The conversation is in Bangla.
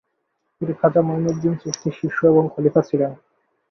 তিনি খাজা মঈনুদ্দীন চিশতীর শিষ্য এবং খলিফা ছিলেন।